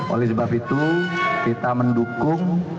oleh sebab itu kita mendukung